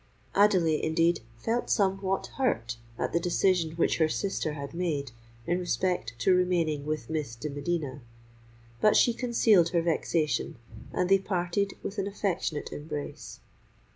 Adelais, indeed, felt somewhat hurt at the decision which her sister had made in respect to remaining with Miss de Medina: but she concealed her vexation, and they parted with an affectionate embrace.